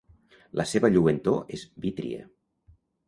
La seva lluentor és vítria.